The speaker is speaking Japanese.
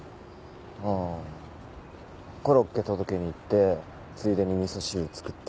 ああコロッケ届けに行ってついでに味噌汁作ってた。